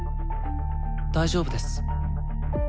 大丈夫です。